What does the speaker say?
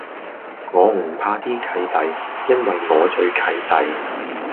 我唔怕啲契弟，因為我最契弟